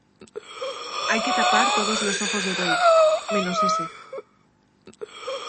hay que tapar todos los ojos de buey, menos ese